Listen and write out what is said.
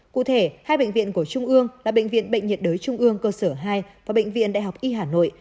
cụ thể hai bệnh viện của trung ương là bệnh viện bệnh nhiệt đới trung ương cơ sở hai và bệnh viện đại học y hà nội